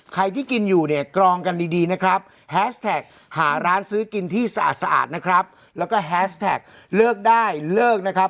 ใครที่กินอยู่เนี่ยกรองกันดีดีนะครับแฮชแท็กหาร้านซื้อกินที่สะอาดสะอาดนะครับแล้วก็แฮสแท็กเลิกได้เลิกนะครับ